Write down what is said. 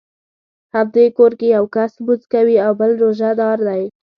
همدې کور کې یو کس لمونځ کوي او بل روژه دار دی.